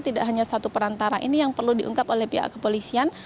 tidak hanya satu perantara ini yang perlu diungkap oleh pihak kepolisian